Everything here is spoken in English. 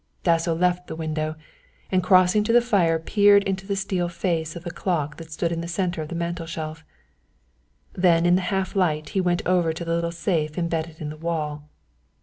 Dasso left the window, and crossing to the fire peered into the steel face of the clock that stood in the centre of the mantelshelf. Then in the half light he went over to the little safe embedded in the wall.